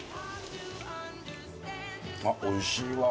あっおいしいわ。